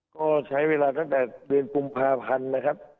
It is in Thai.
ก็ใช้เวลาตั้งแต่ลืนปุ่มพลาภัณฑ์นะครับ